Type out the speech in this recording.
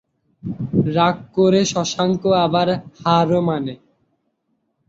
রাগ করে শশাঙ্ক, আবার হারও মানে।